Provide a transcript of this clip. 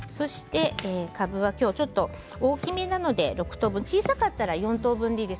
かぶはちょっと大きめなので６等分、小さかったら４等分でいいです。